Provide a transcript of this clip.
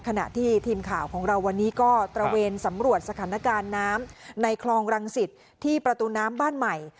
ขณะที่ทีมข่าวของเราวันนี้ก็ตระเวนสำรวจสถานการณ์น้ำในคลองรังสิตที่ประตูน้ำบ้านใหม่